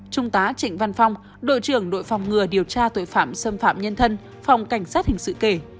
trung tá trịnh văn phong đội trưởng đội phòng ngừa điều tra tội phạm xâm phạm nhân thân phòng cảnh sát hình sự kể